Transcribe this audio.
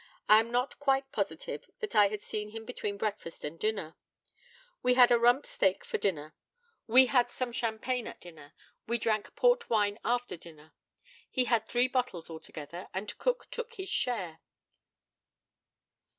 I am not quite positive that I had seen him between breakfast and dinner. We had a rump steak for dinner. We had some champagne at dinner. We drank port wine after dinner. He had three bottles altogether, and Cook took his share.